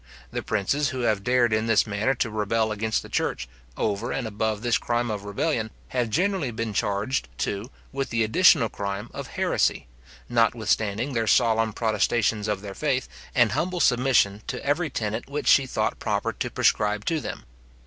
The princes who have dared in this manner to rebel against the church, over and above this crime of rebellion, have generally been charged, too, with the additional crime of heresy, notwithstanding their solemn protestations of their faith, and humble submission to every tenet which she thought proper to prescribe to them.